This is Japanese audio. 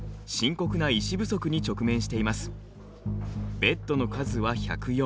ベッドの数は１０４。